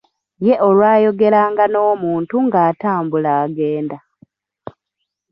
Ye olwayogeranga n'omuntu ng'atambula agenda.